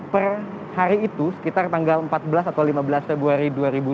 per hari itu sekitar tanggal empat belas atau lima belas februari dua ribu dua puluh